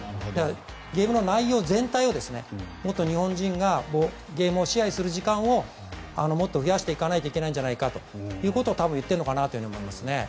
ゲームの内容全体をもっと日本人がゲームを支配する時間を増やしていかないといけないんじゃないかということを多分、言っているのかなと思います。